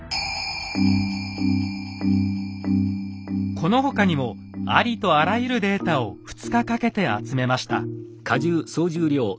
この他にもありとあらゆるデータを２日かけて集めました。